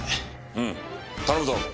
うん頼むぞ。